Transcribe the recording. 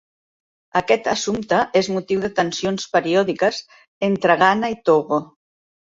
Aquest assumpte és motiu de tensions periòdiques entre Ghana i Togo.